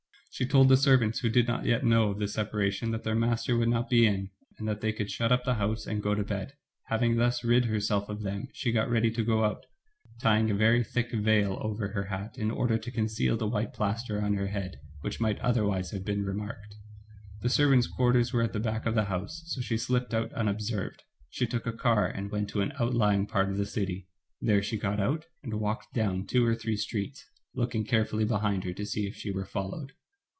She told the servants, who did not yet know of the separa tion, that their master would not be in and that they could shut up the house and go to bed. Having thus rid herself of them, she got ready to go out, tying a very thick veil over her hat in order to conceal the white plaster on her head, which might otherwise have been remarked. The servants* quarters were at the back of the house, so she slipped out unobserved. She took a car and went to an outlying part of the city. There she got out and walked down two or three streets, looking carefully behind her to see if she were followed.